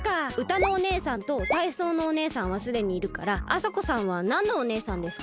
歌のお姉さんと体操のお姉さんはすでにいるからあさこさんはなんのお姉さんですか？